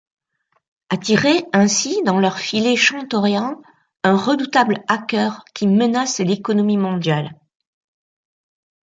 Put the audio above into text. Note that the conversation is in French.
Attirer ainsi dans leur filet Shantorian, un redoutable hacker qui menace l'économie mondiale.